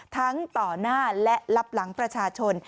ทั้งต่อหน้าและรับหลังประชาชน